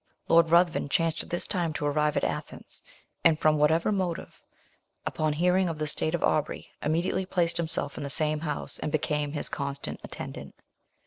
Lord Ruthven, chanced at this time to arrive at Athens, and, from whatever motive, upon hearing of the state of Aubrey, immediately placed himself in the same house, and became his constant attendant.